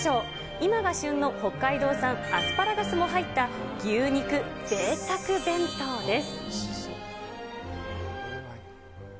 今が旬の北海道産アスパラガスも入った牛肉贅沢弁当です。